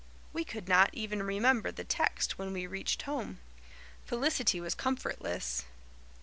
We could not even remember the text when we reached home. Felicity was comfortless.